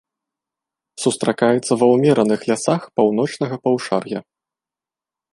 Сустракаецца ва ўмераных лясах паўночнага паўшар'я.